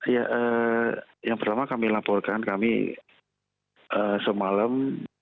ya yang pertama kami laporkan kami semalam